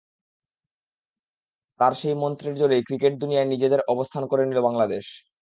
তাঁর সেই মন্ত্রের জোরেই ক্রিকেট দুনিয়ায় নিজেদের অবস্থান করে নিল বাংলাদেশ।